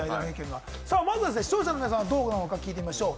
まずは視聴者の皆さん、どう思うのか聞いてみましょう。